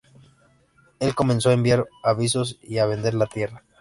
Él comenzó a enviar avisos, y a vender la tierra.